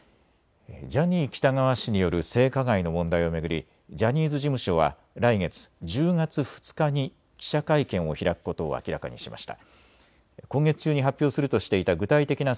ジャニー喜多川氏による性加害の問題を巡り、ジャニーズ事務所は来月１０月２日に記者会見を開くことを明らかにしました。